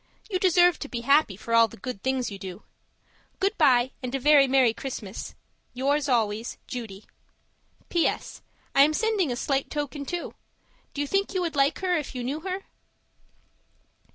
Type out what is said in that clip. You deserve to be happy for all the good things you do. Goodbye, and a very merry Christmas. Yours always, Judy PS. I am sending a slight token, too. Do you think you would like her if you knew her?